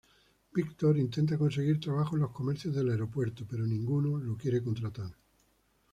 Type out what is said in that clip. Viktor intenta conseguir trabajo en los comercios del aeropuerto, pero ninguno lo quiere contratar.